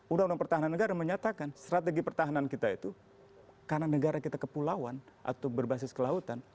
undang undang pertahanan negara menyatakan strategi pertahanan kita itu karena negara kita kepulauan atau berbasis kelautan